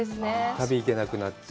旅に行けなくなって。